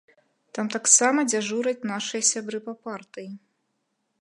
Там таксама дзяжураць нашыя сябры па партыі.